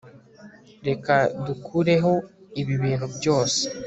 reka dukureho ibi bintu byose